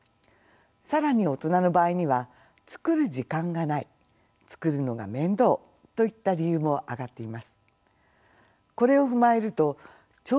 更に大人の場合には作る時間がない作るのが面倒といった理由も挙がっています。